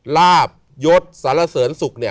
ลาบยศสารเสริญสุขเนี่ย